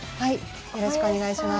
よろしくお願いします。